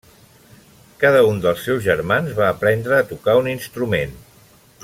Cada un dels seus germans va aprendre a tocar un instrument.